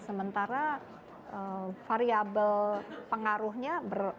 sementara variable pengaruhnya